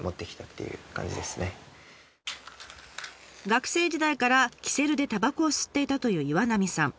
学生時代からキセルでたばこを吸っていたという岩浪さん。